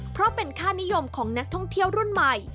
เพราะเป็นค่านิยมของนักท่องเที่ยวรุ่นใหม่